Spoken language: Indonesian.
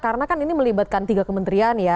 karena kan ini melibatkan tiga kementerian ya